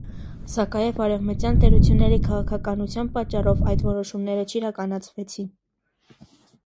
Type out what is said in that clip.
Սակայև արևմտյան տերությունների քաղաքականության պատճառով այդ որոշումները չիրականացվեցին։